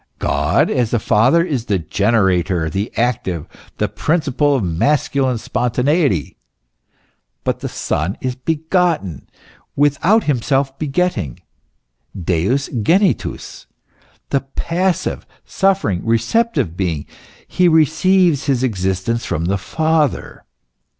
God, as the Father, is the generator, the active, the principle of masculine spontaneity ; but the Son is begotten, without himself begetting, Deus genitus, the passive, suffering, receptive being ; he receives his existence from the Father.